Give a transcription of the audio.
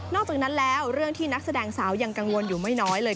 อกจากนั้นแล้วเรื่องที่นักแสดงสาวยังกังวลอยู่ไม่น้อยเลย